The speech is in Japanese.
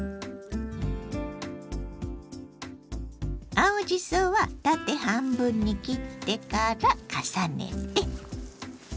青じそは縦半分に切ってから重ねて。